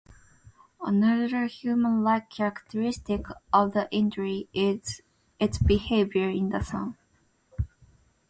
Another human-like characteristic of the indri is its behavior in the sun.